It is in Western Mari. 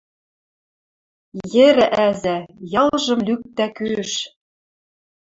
Йӹрӓ ӓзӓ, ялжым лӱкта кӱш...